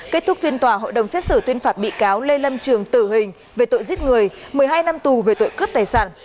kết thúc phiên tòa hội đồng xét xử tuyên phạt bị cáo lê lâm trường tử hình về tội giết người một mươi hai năm tù về tội cướp tài sản